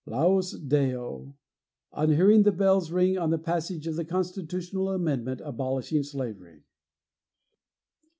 LAUS DEO! On hearing the bells ring on the passage of the constitutional amendment abolishing slavery.